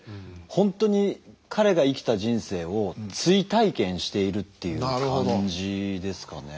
本当に彼が生きた人生を追体験しているっていう感じですかね。